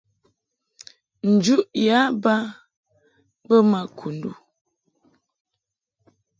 Njuʼ yǎ ba bə ma Kundu.